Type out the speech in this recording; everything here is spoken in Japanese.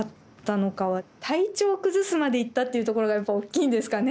体調崩すまでいったっていうところがやっぱおっきいんですかね。